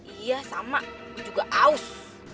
iya sama gue juga haus